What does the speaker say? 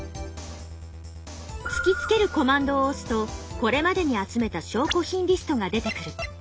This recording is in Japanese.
「つきつける」コマンドを押すとこれまでに集めた証拠品リストが出てくる。